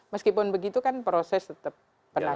meskipun begitu kan proses tetap berlangsung